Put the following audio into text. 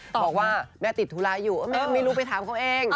บอกว่าแม่ติดธุระอยู่ไม่รู้ไปถามเขาเอง